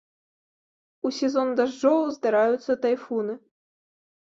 У сезон дажджоў здараюцца тайфуны.